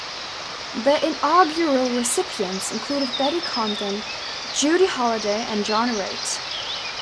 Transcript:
The Inaugural recipients included Betty Comden, Judy Holliday and John Raitt.